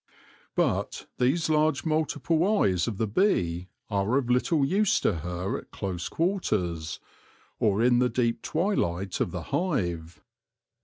But these large multiple eyes of the bee are of little use to her at close quarters, or in the deep twilight of the hive.